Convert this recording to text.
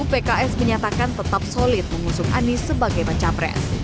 pks menyatakan tetap solid mengusung anies sebagai baca pres